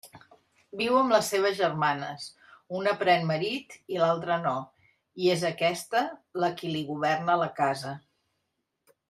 Viu amb les seues germanes, una pren marit i l'altra no; i és aquesta la qui li governa la casa.